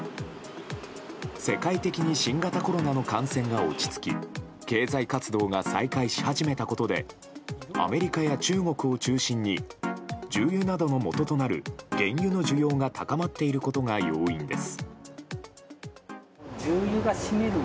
世界的に新型コロナの感染が落ち着き経済活動が再開し始めたことでアメリカや中国を中心に重油などのもととなる原油の需要が高まっていることが要因です。